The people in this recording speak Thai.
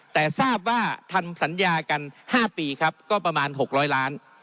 แต่ทราบว่าทำสัญญากัน๕ปีครับก็ประมาณ๖๐๐ล้าน